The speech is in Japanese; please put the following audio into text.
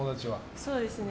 そうですね。